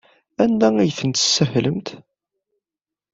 Anda ay tent-tessahlemt?